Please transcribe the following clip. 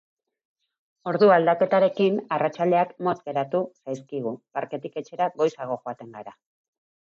Ordu aldaketarekin arratsaldeak motz geratu zaizkigu, parketik etxera goizago joaten gara.